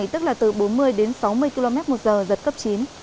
tức là từ bốn mươi đến sáu mươi km một giờ giật cấp chín